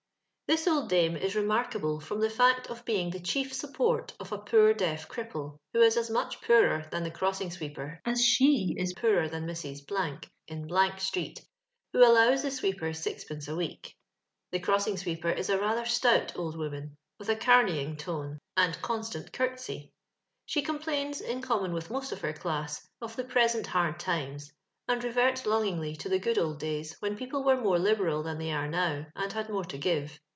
This old dame is remarkable from tho faot of being the chief support of a poor deaf cripple, who is as much poorer thou the cross iny swcepcr as she is pooler than Mrs. •, ill street, who allows the sweeper sixpence a weck. The crossing sweeper is a rather stuut old womim, with a cameying tone, mid con stant curtsey. She complains, in common willi most of hcrdoss, of the present hard times, and reverts longingly to the good old days whtn proplo were more liberal than they are now, and had more to give.